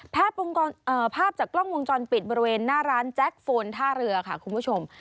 ภาพจากกล้องวงจรปิดบริเวณหน้าร้านแจ็คโฟนท่าเรือค่ะคุณผู้ชม